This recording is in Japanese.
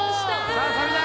さあサビだ